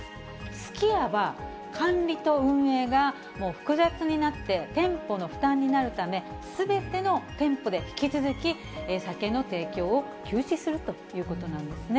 すき家は管理と運営が複雑になって、店舗の負担になるため、すべての店舗で引き続き酒の提供を休止するということなんですね。